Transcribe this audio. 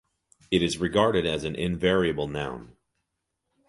It is regarded as an invariable noun.